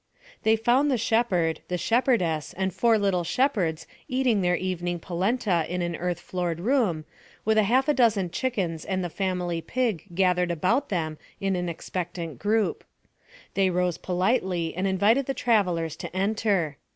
They found the shepherd, the shepherdess and four little shepherds eating their evening polenta in an earth floored room, with half a dozen chickens and the family pig gathered about them in an expectant group. They rose politely and invited the travellers to enter.